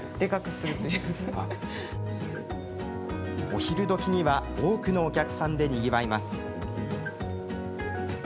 お昼どきには多くのお客さんで、にぎわいます。